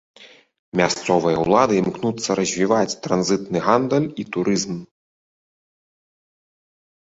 Мясцовыя ўлады імкнуцца развіваць транзітны гандаль і турызм.